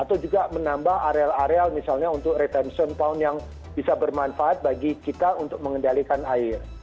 atau juga menambah areal areal misalnya untuk revention pound yang bisa bermanfaat bagi kita untuk mengendalikan air